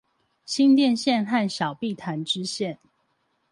新店線和小碧潭支線